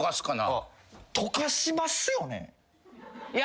溶かしますよね。